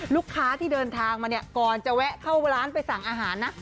ลูกค้าที่เดินทางมาเนี่ยก่อนจะแวะเข้าร้านไปสั่งอาหารนะ